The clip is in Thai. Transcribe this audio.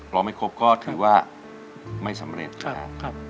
ไม่ครบก็ถือว่าไม่สำเร็จนะครับ